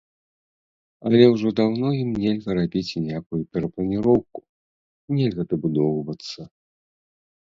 Але ўжо даўно ім нельга рабіць ніякую перапланіроўку, нельга дабудоўвацца.